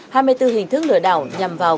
hai mươi bốn hình thức lừa đảo nhằm vào